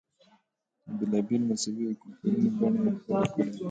د بېلا بېلو مذهبونو او کلتورونو بڼه یې خپله کړې وه.